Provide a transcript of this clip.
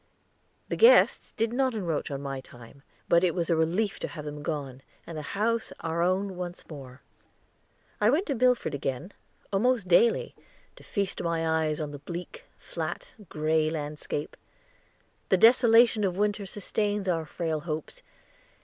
The guests did not encroach on my time, but it was a relief to have them gone and the house our own once more. I went to Milford again, almost daily, to feast my eyes on the bleak, flat, gray landscape. The desolation of winter sustains our frail hopes.